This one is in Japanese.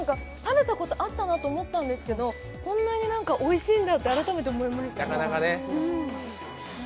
食べたことあったなと思ったんですけど、こんなにおいしいんだって改めて思いました。